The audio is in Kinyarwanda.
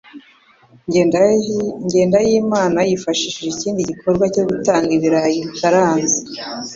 Jyendayimana yifashishije ikindi gikorwa cyo gutanga ibirayi bikaranze